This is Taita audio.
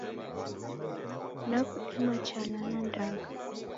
Nakudema chala na ndagha!